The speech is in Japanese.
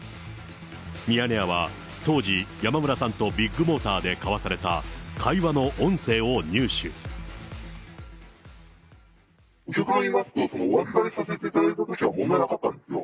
ミヤネ屋は、当時、山村さんとビッグモーターで交わされた会極論を言いますと、お預かりさせていただいたときは問題なかったんですよ。